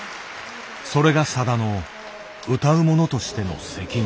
それがさだの歌う者としての責任。